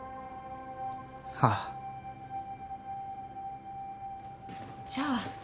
ああじゃあ